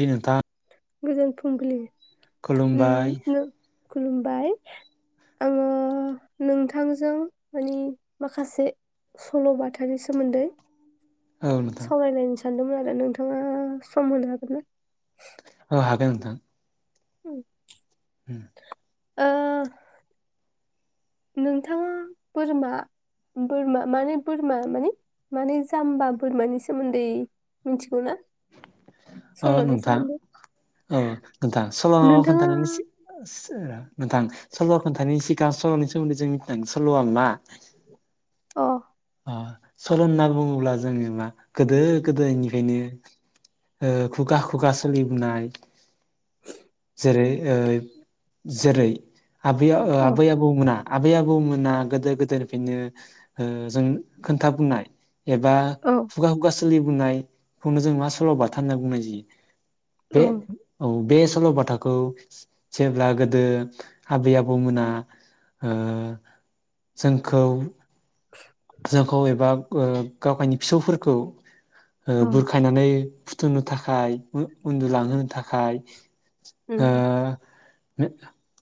बिनुथा गोजोन फुंबिलि उम खुलुमबाय नो- खुलुमबाय आङो नोंथांजों मानि माखासे सलबाथानि सोमोन्दै औ नोंथां सावरायलायनिसै सानदोंमोन आरो नोंथाङा सम होनो हागोन ना औ हागोन नोंथां उम उम ओ नोंथाङा बोरमा बोरमा माने बोरमा माने माने जाम्बा बोरमानि सोमोन्दै मिथिगौ ना [unintelligible] औ सल'नि नोंथां सोमोन्दै औ नोंथां सल नोंथाङा खोन्थानायनि सि सि ओ नोंथां सल खोन्थानायनि सिगां सलनि सोमोन्दै जों मिथिनांगोन सलआ मा अ अ सल होनना बुङोब्ला जोङो मा गोदो गोदोनिफ्रायनो ओ खुगा खुगा सोलिबोनाय जेरै ओ जेरै आबै ओ औ आबै आबौमोना आबै आ बौ मोना गोदो गोदायनिफ्रायनो ओ जों खोन्था बुनाय एबा औ खुगा खुगा सो सोलिबोननायखौनो जों मा सलबाथा होनना बुंनाय जायो बे औ बे स सलबाथाखौ जेब्ला गोदो आबै आबौमोना ओ जोंखौ जोंखौ एबा ओ गावगायनि फिसौफोरखौ ओ बुरखायनानै फुथुनो थाखाय उ-उन्दुलांहोनो थाखाय उम उ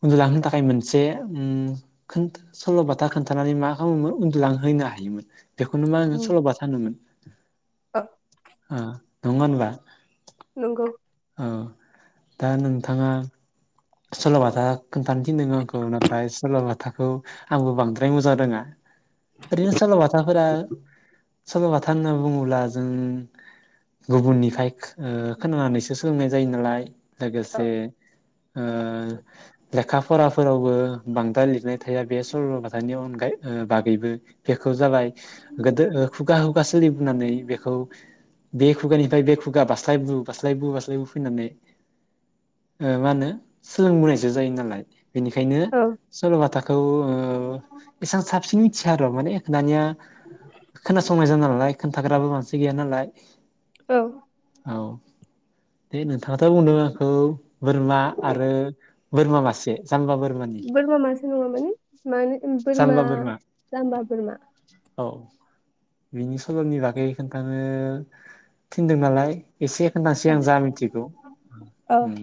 उन्दुलांहोनो थाखाय मोनसे उम खोन सलबाथा खोन्थानानै मा खालामोमोन उन्दुलांहोयो ना हायोमोन बेखौनो मा होनो औ सलबाथा होनोमोन औ ओ नङा होनबा नंगौ औ दा नोंथाङा सलबाथा खोनथानो थिनदों आंखौ नाथाय सलबा बाथाखौ आंबो बांद्राय मोजां रोङा ओरैनो सलबाथाफोरा सलबाथा होनना बुङोब्ला जों गुबुननिफ्राय खो ओ खोनानानैसो सोलोंनाय जायो नालाय औ लोगोसे ओ लेखा फराफोरावबो बांद्राय लिरनाय थाया बे सलबाथानि अनगायै बागैबो बेखौ जाबाय गोदो खुगा हुगा सोलिबोनानै बेखौ बे खुगानिफ्राय बे खुगा बास्लाय बु बास्लाय बु बास्लाय बु फैनानै ओ मा होनो सोलोंबोनायसो जायो नालाय बेनिखायनो औ सलबाथा [unintelligible] ओ एसां साबसिनि मिथिया आरो माने दानिया खोनासंनाय जाना नालाय खोन्थाग्राबो मानसि गैया नालाय औ औ दे नोंथाङाथ बुंदों आंखौ बोरमा बो बोरमा मासे जाम्बा बोरमानि बोरमा मासो नङा माने मानो बोरमा जाम्बा बोरमा औ बिनि सलनि बागै खोन्थानो थिनदों नालाय एसे खोनथासै आं जा मिथिगौ औ उम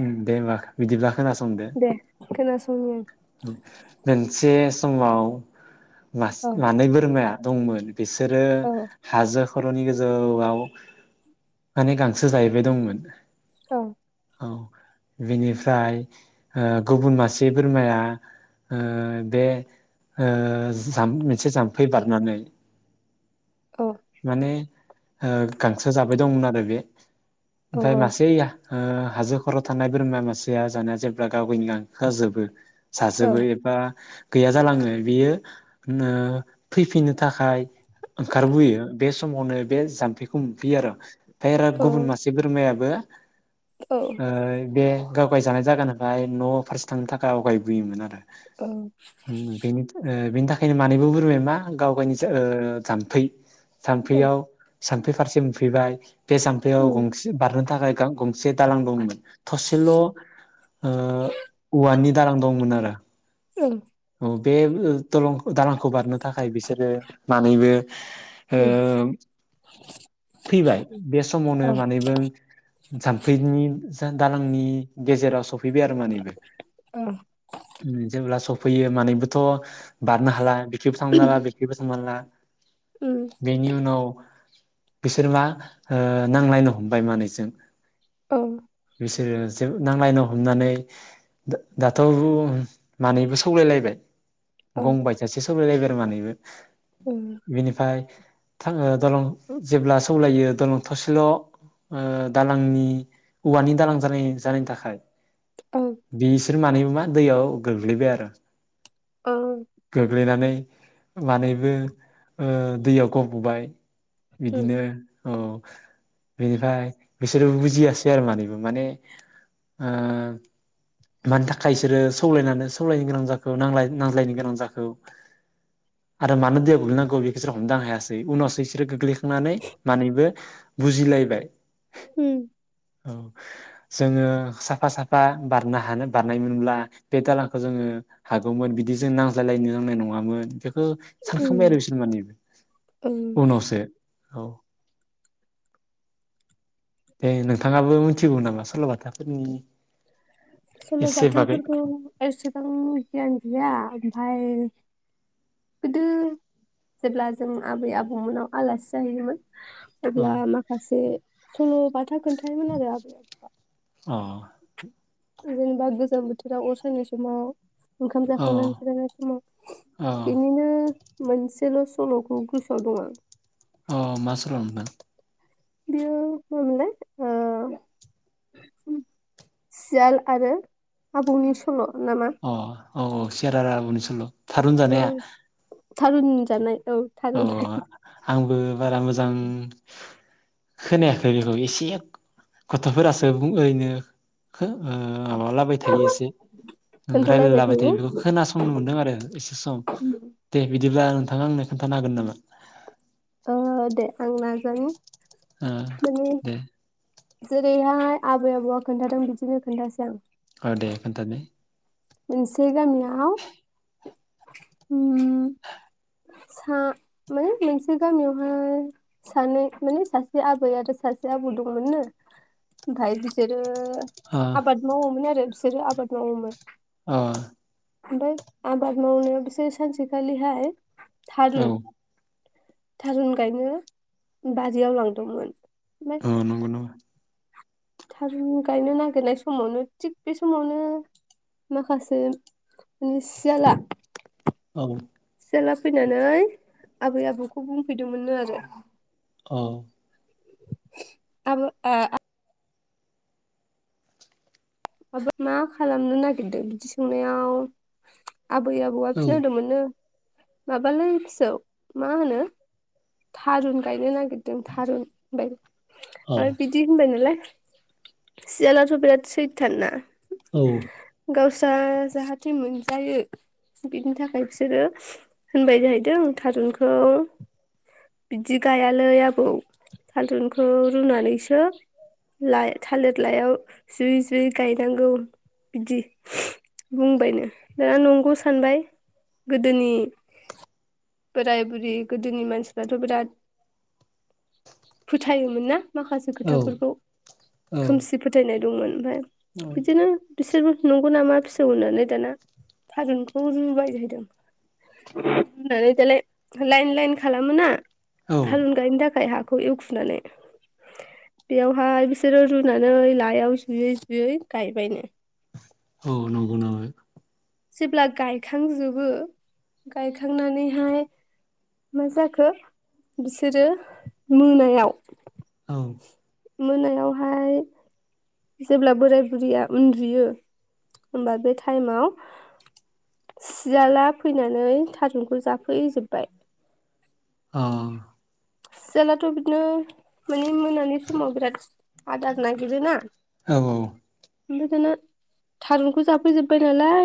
उम दे होनबा बिदिब्ला खोनासंदो दे खोनासंनि मोनसे समाव मास आं मानै बोरमाया दंमोन बिसोरो औ हाजो खरनि गोजौआव माने गांसो जाहैबाय दंमोन औ औ बेनिफ्राय ओ गुबुन मासे बोरमाया ओ बे ओ जाम मोनसे जाम्फै बारनानै औ माने ओ गांसो जाबाय दंमोन आरो बे औ ओमफ्राय मासेया ओ हाजो खराव थानाय बोरमा मासेया जानाया जेब्ला गाव गावनि गांखोआ जोबो औ साजोबो एफा गैया जालाङो बियो ओ फैफिननो थाखाय ओंखारबोयो बे समावनो बे जाम्फैखौ मोनफैयो आरो ओमफाय रो औ गुबुन मासे बोरमाया औ [unintelligible] ओइ बे गावगाय जानाय जायगानिफ्राय न फारसे थांनो थाखाय आवगायबोयोमोन आरो औ उम बेनि ओ बिनि थाखायनो मानैबो बुरबाय मा गाव गावनि ओ जानथै औ सानफैयाव सानफै फारसे मोनफैबाय बे जामफैयाव उम गंसे बारनो थाखाय गां-गंसे दालां दंमोन थसेल ओ औवानि दालां दंमोन आरो औ औ बे ओ दलं दालां खौ बारनो थाखाय बिसोरो मानैबो ओ उम फैबाय बे समावनो औ मानैबो जामफैनि दा-दालांनि गेजेराव सफै फैबाय आरो मानैबो जेब्ला सफ फैयो मानैबोथ बारनो हाला बेखिबो थांनो हाला बेखिबो थांनो हाला उम बेनि उनाव बिसोर मा ओ नांलायनो हमबाय मानैजों औ बिसोरो ज नांलायनो हमनानै दा-दाथ ओ मानैबो स सौलायलायबाय औ गं बायजासे सौलायलायबाय आरो मानैबो उम बिनिफाय थां दलं जेब्ला सौलायो दलं थसेल ओ दालांनि औवानि दालां जानाय-जानायनि थाखाय औ बिसोर मानैबो मा दैयाव गोग्लैबाय आरो औ गोग्लैनानै मानैबो दैयाव ओ गबबाय उम बिदिनो औ बेनिफ्राय बिसोरो बुजियासैआरो मानैबो माने ओ मानि थाखाय बिसोरो सौलायनानै सौलायनो गोनां जाखो खौ नांलाय-नांज्लायनो गोनां जाखो आरो मानो दैया गोल्लैनांगौ जाखो बेखौ बेसोरो हमदांनो हायासै उनावसो इसोरो गोग्लैखांनानै मानैबो बुजिलायबाय होम औ जोङो साफा साफा बारनो हानो बारनायमोनब्ला बे दालांखौ जोङो हागौमोन बिदि जों नांज्लायलायनो नांनाय नङामोन बे ओ सानखांबाय आरो उम बिसोर माने उम उनावसो औ दे नोंथाङाबो मिथिगौ नामा सलबाथाफोरनि सल एसे बागै बाथाफोरफोरखौ एसेबां गियान गैया ओमफफाय गोदो जेब्ला जों आबै आबौमोनाव आलासि जाहैयोमोन औ अब्ला माखासे सल' बाथा खोन्थायोमोन आरो आबौआ अ जेनेबा गोजां बोथोराव अर‌ सायनाय समाव ओंखाम अ जाखांनानै जिरायनाय समाव अ बिनिनो मोनसेल सलखौ गोसोआव दं आं अ मासलमोन बियो मामोनलाय ओ सियाल आरो आबौनि सल' नामा अ औ औ सियाल आरो आबौनि सल' थारुन औ जानाया थारुन जानाय औ थारुन आंबो बारा मोजां खोनायाखै बेखौ एसे गथफोरासो बुंङो ओैरैनो माबा लाबाय थायो एसे रायलायलाबाय थायो बेखौ खोनासंनो मोनदों आरो एसे सम दे बिदि बिदिब्ला नोंथाङा आंनो खोनन्थानो हागोन नामा ओ दे आं नाजानि हो माने दे जेरैहाय आबै आबौआ खोन्थादों बिदिनो खोन्थासै आं औ दे खोन्थ नाय मोनसे गामियाव ओम सा माने मोनसे गामियावहाय सानै माने सासे आबै आरो सासे आबौ दंमोननो ओमफफाय बिसोरो अ आबाद मावोमोन आरो बिसोरो आबाद मावोमोन अ ओमफ्राय आबाद मावनायाव बिसोर सानसेखालि हाय औ थारुन गायनो बारियाव लांदोंमोन ओमफाय औ नंगौ नामा थारुन गायनो नागिरनाय समावनो थिग बे समावनो माखासे माने सियाला औ सियाला फैनानै आबै आबौखौ बुंफैदोंमोननो आरो औ आब [inaudible] आ मा [inaudible] बा मा खालामनो नागिरदों बिदि सोंनायाव आबै आबौआ फिनोदोंमोननो माबालाय फिसौ मा होनो थारुन गायनो नागिरदों थारुन होनबाय औ आरो बिदि होनबाय नालाय सियालाथ बिराद सै थानना औ गावस्रा जाहाथे मोनजायो बिनि थाखाय फिसोरो होनबाय जाहैदों थारुनखौ बिदि गायालै आबौ थादुनखौ रुनानैसो लाइ थालिर लाइयाव जुयै जुयै गायनांगौ बिदि [unintelligible] बुंबायनो दा नंगौ सानबाय गोदोनि बोराय बुरि गोदोनि मानसि थ बिराद फोथायोमोन ना माखासे खोथाफोरखौ औ खोमसि फोथायनाय दंमोन ओमफाय बिदिनो बिसोरबो नंगौ नामा फिसौ होननानै दाना थारुनखौ रुबाय जाहैदों रुनानै दालाय लाइन लाइन खालाम [unintelligible] औ थालुन गायनो थाखाय हा बेखौ एवखुनानै बेयावहाय बिसोरो रुनानै लायाव जुयै जुयै गायबायनो औ नंगौ [unintelligible] जेब्ला गायखांजोबो गायखांनानैहाय मा जाखो बिसोरो मोनायाव औ मोनायावहाय जेब्ला बोराय बुरैया उन्दुयो होमबा बे टाइमाव सियाला फैनानै थारुनखौ जाफैजोबबाय अ सियालाथ बिदिनो मानि मोनानि समाव बिराद आदार नागिरोना अ औ औ ओमफाय दाना थारुनखौ जाफैजोबबाय नालाय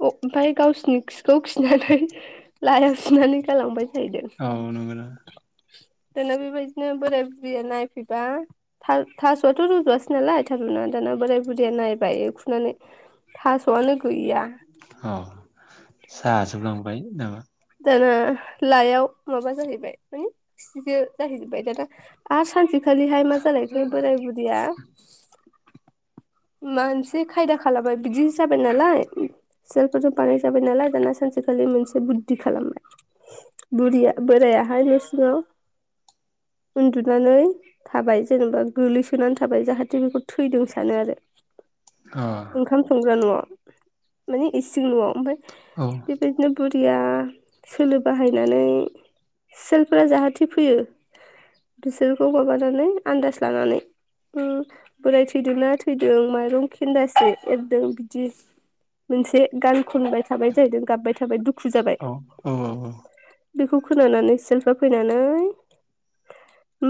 अ ओमफाय गावसिनि खिखौ खिनानै लाइयाव सुनानै गालांबाय जाहैदों औ नंगौ [inaudible] दाना बेबायदिनो बोराय बुरिया नायफैबा था-थासआथ रजवासै नालाय थारुनानै दाना बोराय बुरिया नायबाय ए नानै थासआनो गैया अ [unintelligible] बाय नाङा दाना लाइआव माबा जाहैबाय माने खिसो जाहैजोबबाय दाना आरो सानसेखा खालिहाय मा जालायखो बोराय बुरिया मानसे खायदा खालाबाय बिदिनो जाबाय नालाय सियालफोरजों बानाय जाबाय नालाय दाना सानसेखालि मोनसे बुद्धि खालामबाय बुरिया बोरायाहाय न सिङाव उन्दुनानै थाबाय जेनेबा गोलैसोनानै थाबाय जाहाथे बेखौ थैदों सानो आरो अ ओंखाम संग्रा न आव माने इसिं न आव ओमफाय औ बेफोरनो बु बुरिया सोलो बाहायनानै सेलफोरा जाहाथे फैयो बिसोरखौ माबानानै आन्दाज लानानै ओम बोराय थैदोंना थैदों दों माइरं खेन्दासे एरदों बिदि मोनसे गान खनबाय थाबाय जाहैदों गाबबाय थाबाय दुखु जाबाय औ औ औ बेखौ खोनानानै सेलफ्रा फैनानै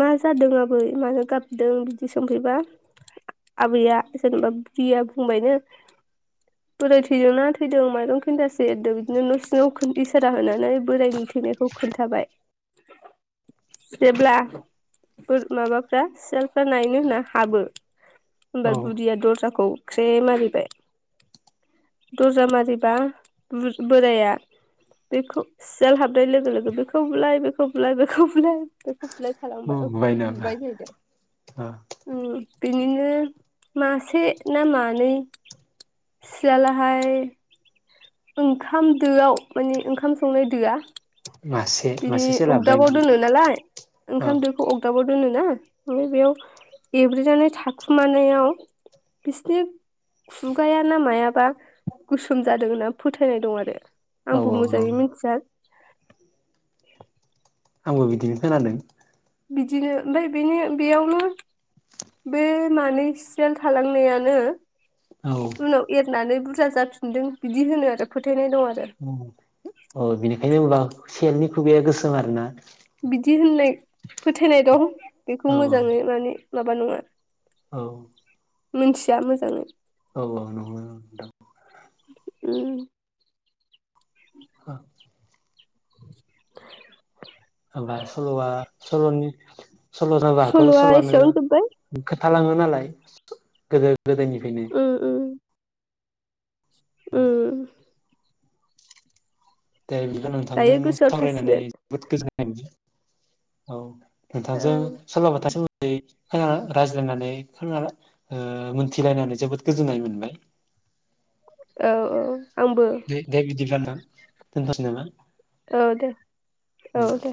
मा जादों आबै मानो गाबदों बिदि संफैबा आबैया जेनेबा बुरिया बुंबायनो बोराय थैदोंना थैदों माइरं खेनदासे एरदों बिदिनो न सिंआव खन एसे सेजा होनानै बोरायनि थैनायखौ खोन्थाबाय जेब्ला बोर माबाफ्रा सेलफ्रा नायनो होनना हाबो होमबा औ बुदिया दरजाखौ ख्रे मारिबाय दर्जा मारिबा बु बोराया बेखौ सियाल हाबनाय लोगो लोगो बेखौ बुलाय बेखौ बुलाय बेखौ बुलाय बेखौ बुंलाय खालामबाय बुंबाय नामा नुबाय जाहैदों। अ उम बेनिनो मासे ना मानै सियालाहाय ओंखाम दोआव माने ओंखाम संनाय दोआ मासे बिनि मासेसो लाबोबाय अगदाबाव दोनो नालाय औ ओंखाम दोखौ अगदाबाव होनोना ओमफाय बेयाव एब्रेनानै थाखुमानायाव बिसिनि खुगाया ना मायाबा गोसोम जादों होनना फोथायनाय दं आरो औ आंबो औ औ मोजाङै मिन्थिया [inaudible] [inaudible] आंबो बिदिनो खोनादों बिदिनो ओमफ्राय बेनो बेयावनो बे मानै सियाल थालांनायानो औ उनाव एरनानानैै बुर रजा जाफिनदों बिदि होनो आरो फोथायनाय दं आरो औ औ बिनिखायनो उनाव सेलनि खुगाया गोसोम आरोना बिदि होननाय फोथायनाय दं औ बेखौ मोजाङै माने माबा नङा औ मोनथिया मोजाङै औ औ [unintelligible] ओम [unintelligible] [inaudible] होमबा सलआ सलनि सल जाबाखौ सल'आ सलआनो एसेयावनो जोब्बाय [unintelligible] थालाङो नालाय गोदो गोदोनिफायनो ओम दे बिदिब्ला नोंथांदों दायो गोसोआव सावरायनानै थासिगोन जोबोद गोजोननाय [unintelligible] औ नोंथांजों ओं सलबाथा सो ऐ खोनाला रायज्लायनानै खोनाला ओ मोनथिलायनानै जोबोद गोजोननाय मोनबाय औ औ आंबो दै दे बिदिब्ला नोंथा दोनथसै नामा औ दे औ दे